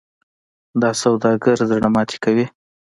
دا سوداګر زړه ماتې کوي.